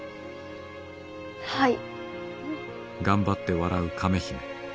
はい。